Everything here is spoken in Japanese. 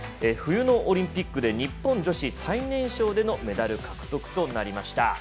冬のオリンピックで日本女子最年少でのメダル獲得となりました。